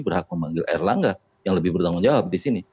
berhak memanggil erlangga yang lebih bertanggung jawab di sini